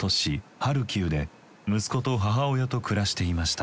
ハルキウで息子と母親と暮らしていました。